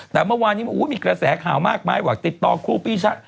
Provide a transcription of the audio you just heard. แต่เมื่อวานนี้มีกระแสข่าวมากมายว่าติดต่อครูปีชา